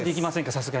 さすがに。